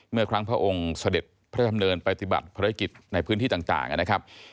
เมื่อครั้งพระองค์เสด็จพระดำเนินปฏิบัติภารกิจในพื้นที่ต่างนะครับ